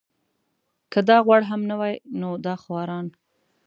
که دا غوړ هم نه وای نو دا خواران.